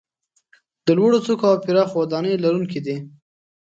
د لوړو څوکو او پراخو وادیو لرونکي دي.